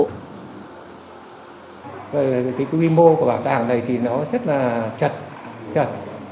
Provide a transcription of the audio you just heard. cái quy mô của bảo tàng này thì nó rất là chặt chật